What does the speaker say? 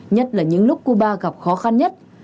nhất là những lúc cuba gặp khó khăn nhất